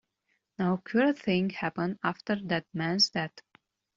Now, a queer thing happened after that man's death.